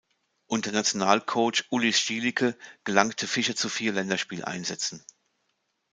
Unter Nationalcoach Uli Stielike gelangte Fischer zu vier Länderspiel-Einsätzen.